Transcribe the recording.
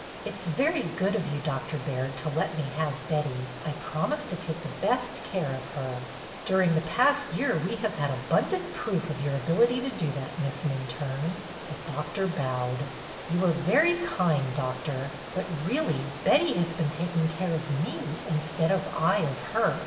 "It 's very good of you. Doctor Baird, to let me have Betty. I promise to take the best of care of her." "During the past year we have had abun 92 BETTY BAIRD'S GOLDEN YEAR dant proof of your ability to do that, Miss Minturne.'" The Doctor bowed. ''You are very kind, Doctor. But really, Betty has been taking care of me instead of I of her.